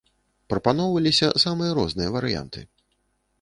Прапаноўваліся самыя розныя варыянты.